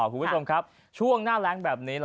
คุณผู้ชมครับช่วงหน้าแรงแบบนี้